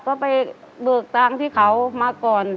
ก็ไปเบิกตังค์ที่เขามาก่อน